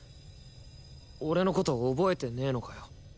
俺のこと覚えてねえのかよ？